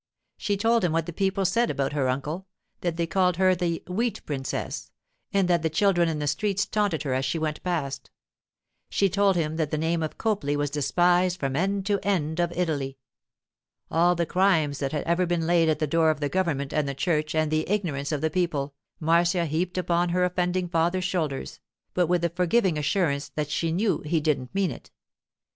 She told him what the people said about her uncle; that they called her the 'Wheat Princess'; and that the children in the streets taunted her as she went past. She told him that the name of Copley was despised from end to end of Italy. All the crimes that have ever been laid at the door of the government and the church and the ignorance of the people, Marcia heaped upon her offending father's shoulders, but with the forgiving assurance that she knew he didn't mean it.